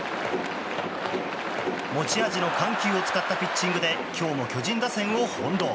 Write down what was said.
持ち味の緩急を使ったピッチングで今日も巨人打線を翻弄。